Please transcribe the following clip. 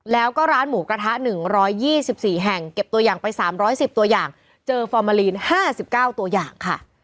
แล้วก็ร้านหมูกระทะ๑๒๔แห่งเก็บตัวอย่างไป๓๑๐ตัวอย่างเจอฟอร์มาลีน๕๙ตัวอย่างค่ะ